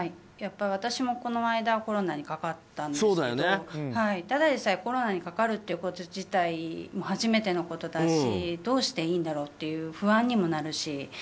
私も、この間コロナにかかったんですけどただでさえコロナにかかるということ自体初めてのことだしどうしたらいいんだろうという不安にもなるし。